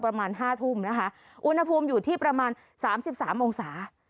ประมาณห้าทุ่มนะคะอุณหภูมิอยู่ที่ประมาณสามสิบสามองศา